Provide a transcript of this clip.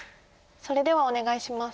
それではお願いします。